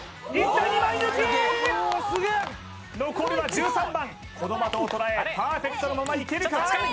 残るは１３番この的を捉えパーフェクトのままいけるか？